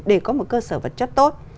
để có một cơ sở vật chất tốt